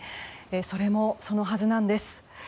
それもそのはずなんです。